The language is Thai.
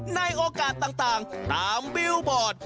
ในโอกาสต่างตามบิลบอร์ด